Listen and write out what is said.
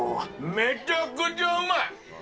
めちゃくちゃうまい！